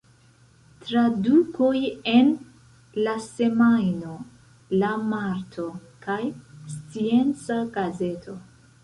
Tradukoj en "La Semajno", "La Marto" kaj "Scienca Gazeto".